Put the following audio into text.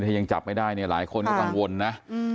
ถ้ายังจับไม่ได้เนี่ยหลายคนก็กังวลนะ